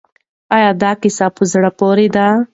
آیا دا کیسه په زړه پورې ده؟